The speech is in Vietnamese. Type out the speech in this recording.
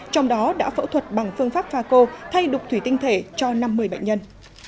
trong đó đã phẫu thuật bằng phương pháp và cầu thay độc thuyệt tinh thể cho năm mươi bệnh nhân